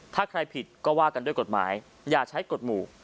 ถ้าใครผิดก็ว่ากันด้วยกฎหมายอย่าใช้กฎหมู่